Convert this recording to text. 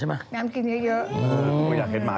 หมาหมาหมาหมาหมาหมา